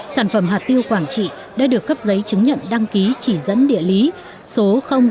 sản phẩm hạt tiêu quảng trị đã được cấp giấy chứng nhận đăng ký chỉ dẫn địa lý số bốn mươi năm